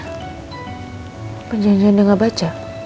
apa janjian dia gak baca